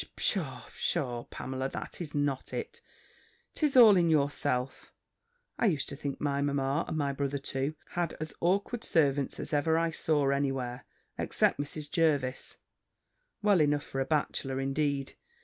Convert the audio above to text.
"Psha, psha, Pamela, that is not it: 'tis all in yourself. I used to think my mamma, and my brother too, had as awkward servants as ever I saw any where except Mrs. Jervis Well enough for a bachelor, indeed!